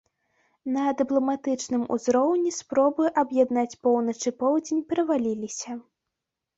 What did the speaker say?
На дыпламатычным узроўні спробы аб'яднаць поўнач і поўдзень праваліліся.